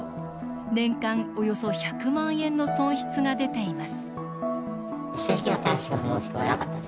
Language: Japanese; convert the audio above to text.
年間およそ１００万円の損失が出ています